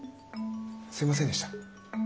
すいませんでした。